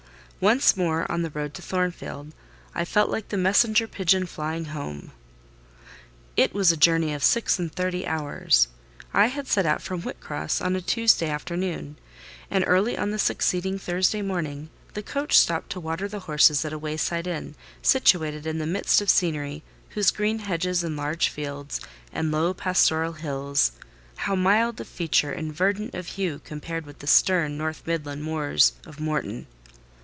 Once more on the road to Thornfield, I felt like the messenger pigeon flying home. It was a journey of six and thirty hours. I had set out from Whitcross on a Tuesday afternoon, and early on the succeeding Thursday morning the coach stopped to water the horses at a wayside inn, situated in the midst of scenery whose green hedges and large fields and low pastoral hills (how mild of feature and verdant of hue compared with the stern North Midland moors of Morton!)